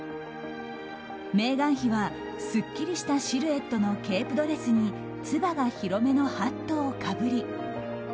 メーガン妃はすっきりしたシルエットのケープドレスにつばが広めのハットをかぶり。